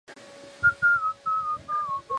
蜜柑